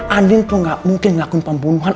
ani itu gak mungkin ngakun pembunuhan